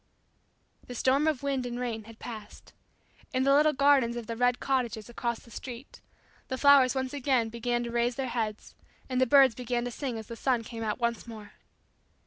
The storm of wind and rain had passed. In the little gardens of the "Red Cottages" across the street, the flowers once again began to raise their heads and the birds began to sing as the sun came out once more.